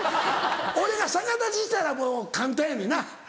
俺が逆立ちしたらもう簡単やねんな。